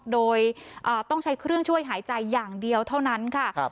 โดยต้องใช้เครื่องช่วยหายใจอย่างเดียวเท่านั้นค่ะ